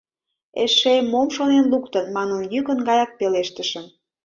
«Эше мом шонен луктын! — манын, йӱкын гаяк пелештышым.